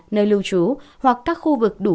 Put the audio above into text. nơi lưu trú hoặc các khu vực đủ